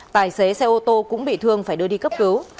tài xế xe ô tô cũng bị thương phải đưa đi cấp cứu